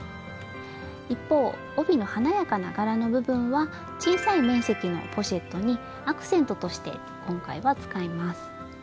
一方帯の華やかな柄の部分は小さい面積のポシェットにアクセントとして今回は使います。